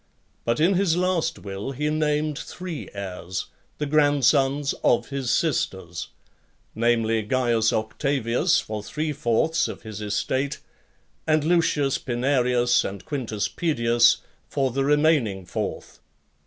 But in his last will, he named three heirs, the grandsons of his sisters; namely, Caius Octavius for three fourths of his estate, and Lucius Pinarius and Quintus Pedius for the remaining fourth.